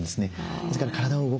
ですから体を動かす。